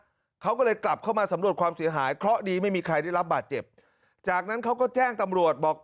เขาก็เลยกลับเข้ามาสำรวจความเสียหายเพราะดีไม่มีใครได้รับบาดเจ็บจากนั้นเขาก็แจ้งตำรวจบอก